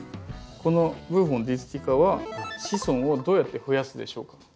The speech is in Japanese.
このブーフォン・ディスティカは子孫をどうやって増やすでしょうか？